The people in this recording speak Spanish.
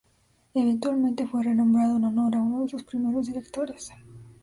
Eventualmente fue renombrado en honor a uno de sus primeros directores.